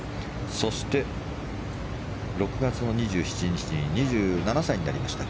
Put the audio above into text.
そして、６月の２７日に２７歳になりました